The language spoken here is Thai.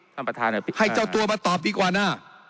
ท่านประธานให้เจ้าตัวมาตอบดีกว่านะ